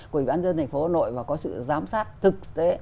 của ủy ban dân thành phố hà nội và có sự giám sát thực tế